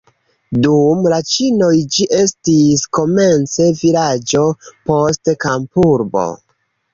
Dum la ĉinoj ĝi estis komence vilaĝo, poste kampurbo.